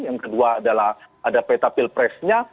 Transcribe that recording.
yang kedua adalah ada peta pilpresnya